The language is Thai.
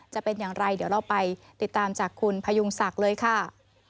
จะเป็นอย่างไรเดี๋ยวเราไปติดตามจากคุณพยุงศักดิ์เลยค่ะ